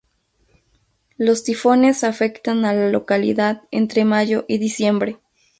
Los tifones afectan a la localidad entre mayo y diciembre.